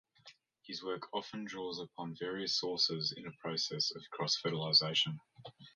His work often draws upon various sources in a process of cross-fertilization.